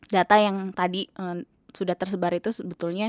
data yang tadi sudah tersebar itu sebetulnya